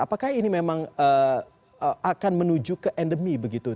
apakah ini memang akan menuju ke endemi begitu